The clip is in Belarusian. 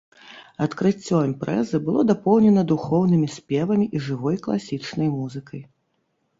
Адкрыццё імпрэзы было дапоўнена духоўнымі спевамі і жывой класічнай музыкай.